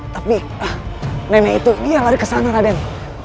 tapi nenek itu yang lari kesana raden